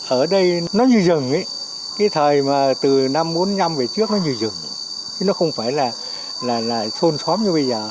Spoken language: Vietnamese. ở đây nó như rừng ấy cái thời mà từ năm bốn mươi năm về trước nó như rừng chứ nó không phải là thôn xóm như bây giờ